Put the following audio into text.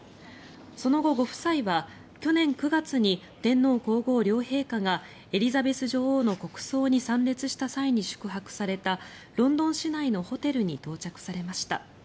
その後、ご夫妻は去年９月に天皇・皇后両陛下がエリザベス女王の国葬に参列した際に宿泊されたロンドン市内のホテルに到着されました。